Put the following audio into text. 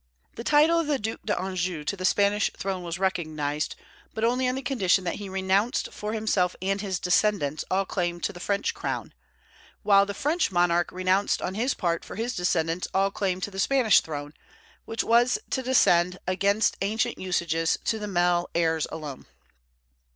The title of the Duc d'Anjou to the Spanish throne was recognized, but only on the condition that he renounced for himself and his descendants all claim to the French crown, while the French monarch renounced on his part for his descendants all claim to the Spanish throne, which was to descend, against ancient usages, to the male heirs alone.